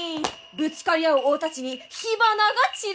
ぶつかり合う大太刀に火花が散る！